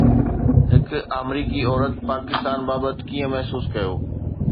هڪ آمريڪي عورت پاڪستان بابت ڪيئن محسوس ڪيو؟